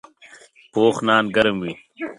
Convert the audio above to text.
پوخ نان ګرم وي